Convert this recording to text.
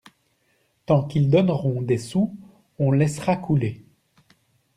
Tant qu’ils donneront des sous, on laissera couler.